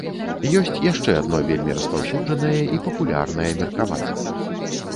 Ёсць яшчэ адно вельмі распаўсюджанае і папулярнае меркаванне.